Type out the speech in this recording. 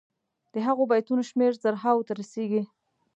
د هغو بیتونو شمېر زرهاوو ته رسيږي.